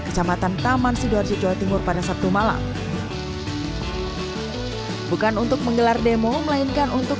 kecamatan taman sidoarjo jawa timur pada sabtu malam bukan untuk menggelar demo melainkan untuk